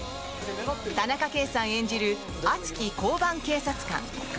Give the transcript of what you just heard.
田中圭さん演じる熱き交番警察官。